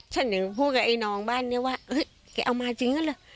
ฉันยังพูดกับไอ้น้องบ้านนี้ว่าแกเอามาจริงก็เหรอ